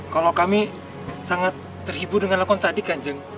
kalau kami sangat terhibur dengan lakukan tadi kanjeng